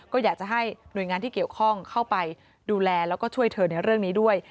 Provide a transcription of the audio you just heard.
ก็อยากจะให้หน่วยงานที่เกี่ยวข้องเข้าไปดูแลแล้วก็ช่วยเธอในเรื่องนี้ด้วย